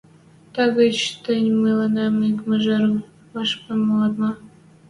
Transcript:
Тагачы тӹнь мӹлӓнем ик мыжыр вӓпшӹм моат ма?